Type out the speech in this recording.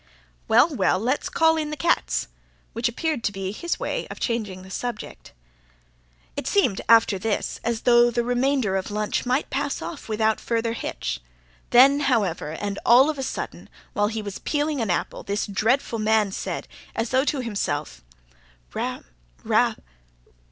"Well, well, let's call in the cats!" which appeared to be his way of changing the subject. It seemed, after this, as though the remainder of lunch might pass off without further hitch. Then however and all of a sudden, while he was peeling an apple, this dreadful man said, as though to himself: "Ra ... Ra